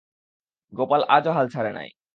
গোপাল আজও হাল ছাড়ে নাই।